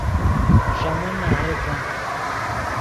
ݰے من نہرے کن